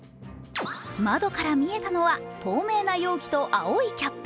窓から見えたのは透明な容器と青いキャップ。